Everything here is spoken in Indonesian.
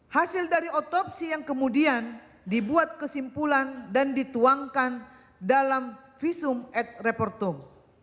hasil dari otopsi yang kemudian dibuat kesimpulan dan dituangkan dalam visum ed repertum